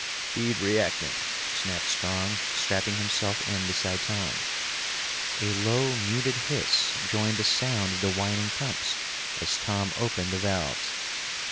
"Feed reactant!" snapped Strong, strapping himself in beside Tom. A low muted hiss joined the sound of the whining pumps as Tom opened the valves.